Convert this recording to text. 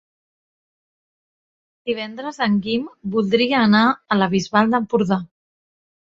Divendres en Guim voldria anar a la Bisbal d'Empordà.